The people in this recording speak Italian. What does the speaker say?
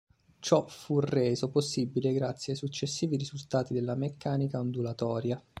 Ciò fu reso possibile grazie ai successivi risultati della meccanica ondulatoria.